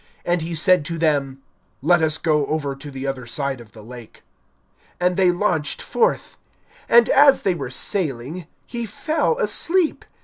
And he said to them: Let us go over to the other side of the lake. And they launched forth. (23)And as they were sailing, he fell asleep.